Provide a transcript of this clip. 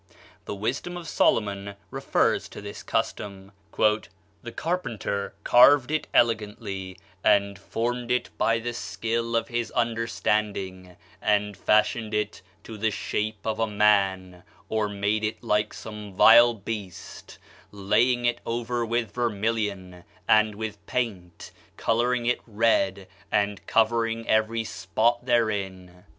The Wisdom of Solomon refers to this custom: "The carpenter carved it elegantly, and formed it by the skill of his understanding, and fashioned it to the shape of a man, or made it like some vile beast, laying it over with vermilion, and with paint, coloring it red, and covering every spot therein."